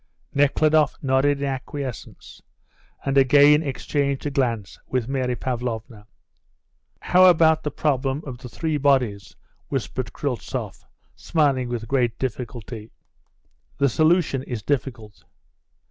Nekhludoff nodded in acquiescence, and again exchanged a glance with Mary Pavlovna. "How about the problem of the three bodies?" whispered Kryltzoff, smiling with great difficulty. "The solution is difficult."